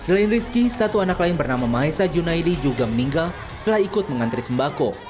selain rizky satu anak lain bernama maesa junaidi juga meninggal setelah ikut mengantri sembako